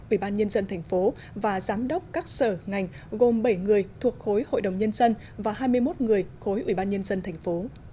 ubnd tp và giám đốc các sở ngành gồm bảy người thuộc khối hội đồng nhân dân và hai mươi một người khối ubnd tp